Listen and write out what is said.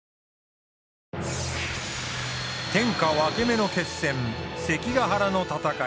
天下分け目の決戦関ヶ原の戦い。